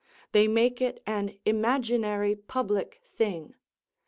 They make it an imaginary public thing.